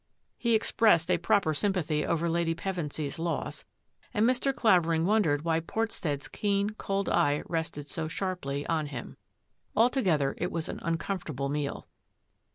He expressed a proper sympathy over Lady Pevensy's loss, and Mr. Clavering wondered why Portstead's keen, cold eye rested so sharply on him. Altogether it was an uncom fortable meal.